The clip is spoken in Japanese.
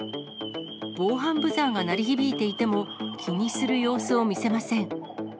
防犯ブザーが鳴り響いていても、気にする様子を見せません。